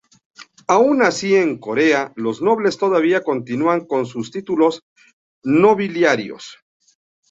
Aun así, en Corea, los nobles todavía continúan con sus títulos nobiliarios.